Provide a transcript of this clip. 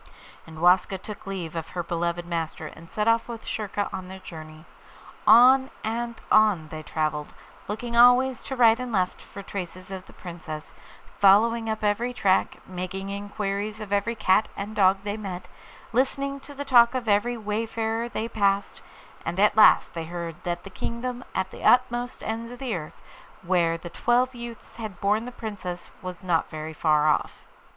And Waska took leave of her beloved master, and set off with Schurka on their journey. On and on they travelled, looking always to right and left for traces of the Princess, following up every track, making inquiries of every cat and dog they met, listening to the talk of every wayfarer they passed; and at last they heard that the kingdom at the utmost ends of the earth where the twelve youths had borne the Princess was not very far off.